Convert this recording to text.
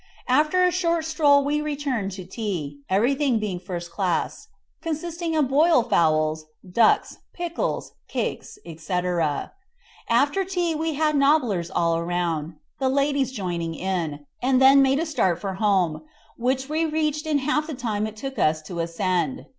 After a short stroll we returned to tea, everything being first class, consisting of boiled fowls, ducks, pickles, cakes, etc. After tea we had nobblers all round, the ladies joining in, and then made a start for home, which we reached in half the time it took us to ascend.